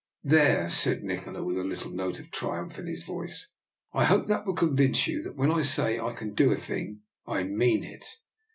" There," said Nikola, with a little note of triumph in his voice, " I hope that will con vince you that when I say I can do a thing, I mean it."